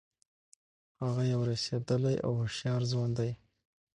هغه یو رسېدلی او هوښیار ځوان دی.